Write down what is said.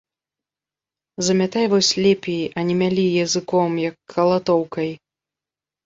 Замятай вось лепей, а не мялі языком, як калатоўкай!